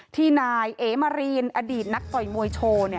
ที่นายเอมารีนอดีตนักต่อยมวยโชว์